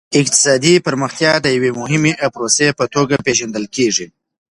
اقتصادي پرمختيا د يوې مهمې پروسې په توګه پېژندل کېږي.